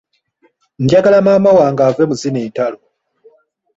Njagala maama wange ave mu zino entalo.